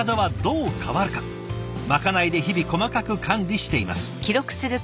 まかないで日々細かく管理しています。